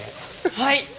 はい！